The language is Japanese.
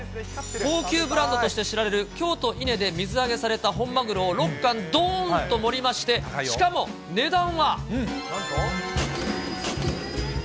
高級ブランドとして知られる京都・伊根で水揚げされた本マグロを６貫どーんと盛りまして、しかも値段は。